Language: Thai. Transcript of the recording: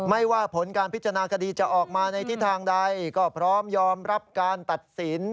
ไม่ว่าผลการพิจารณาคดีจะออกมาในทิศทางใดก็พร้อมยอมรับการตัดสิน